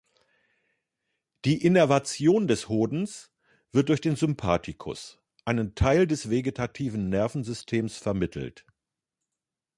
Die Innervation des Hodens wird durch den Sympathikus, einen Teil des vegetativen Nervensystems, vermittelt.